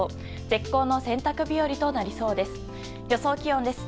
絶好の洗濯日和となりそうです。